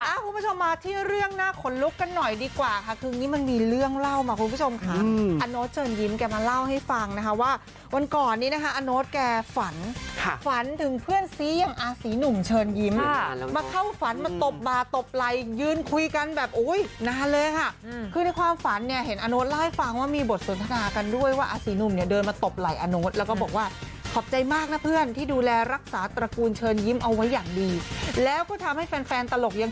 หาคุณผู้ชมมาที่เรื่องหน้าขนลุกกันหน่อยดีกว่าค่ะคือมันมีเรื่องเล่ามาคุณผู้ชมค่ะอาโน๊ตเชิญยิ้มแกมาเล่าให้ฟังนะคะว่าวันก่อนนี้นะคะอาโน๊ตแกฝันฝันถึงเพื่อนซียังอาศีหนุ่มเชิญยิ้มมาเข้าฝันมาตบบาตบไหลยืนคุยกันแบบอุ้ยนานเลยค่ะคือในความฝันเนี่ยเห็นอาโน๊ตเล่าให้ฟังว่าม